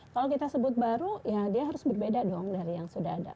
kalau kita sebut baru ya dia harus berbeda dong dari yang sudah ada